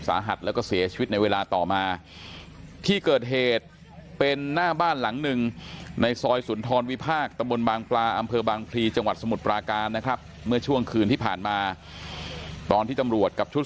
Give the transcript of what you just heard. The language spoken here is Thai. ภาคตะบนบางปลาอำเภอบางพลีจังหวัดสมุดปราการนะครับเมื่อช่วงคืนที่ผ่านมาตอนที่ตำรวจกับชุด